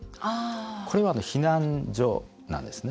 これは避難所なんですね。